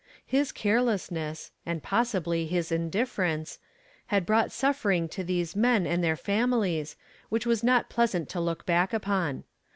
His carelessness, and possibly his indifference, had brought suffering to these men and their families which was not pleasant to look back upon.